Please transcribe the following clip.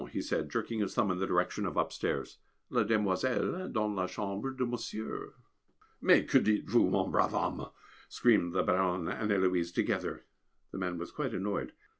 he said, jerking his thumb in the direction of upstairs, "La demoiselle dans la chambre de Monsieur." "Mais que dites vous mon brave homme!" screamed the Baronne and Héloise together. The man was quite annoyed.